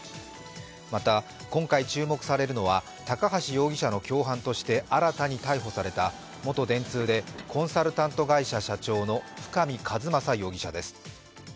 また今回注目されるのは高橋容疑者の共犯として新たに逮捕された元電通でコンサルタント会社社長の深見和政容疑者です。